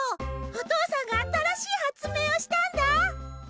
お父さんが新しい発明をしたんだ！